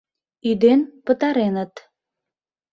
Ӱден пытареныт.